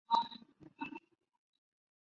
然后由下一位玩家选择是否当地主。